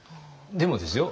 でもですよ